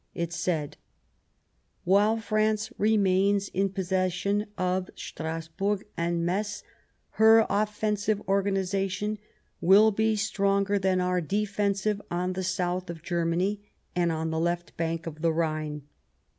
It said :" While France remains in possession of Strasburg and Metz, her offensive organization will be stronger than our defensive on the south of Germany, and on the left bank of the Rhine.